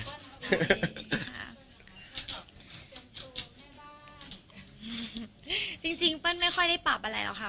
จริงจริงเปิ้ลไม่ค่อยได้ปรับอะไรหรอกค่ะ